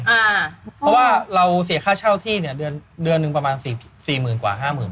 เพราะว่าเราเสียค่าเช่าที่เดือนหนึ่งประมาณ๔๐๕๐บาท